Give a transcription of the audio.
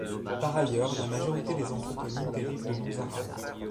Par ailleurs, la majorité des anthroponymes dérivent de noms arabes.